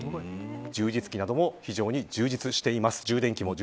充電器なども充実しています。